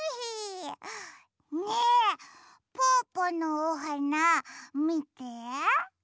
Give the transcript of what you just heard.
ねえぽぅぽのおはなみて。